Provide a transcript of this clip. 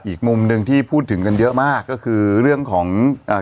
อีกมุมหนึ่งที่พูดถึงกันเยอะมากก็คือเรื่องของเอ่อ